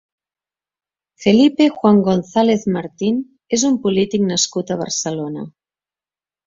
Felipe Juan González Martín és un polític nascut a Barcelona.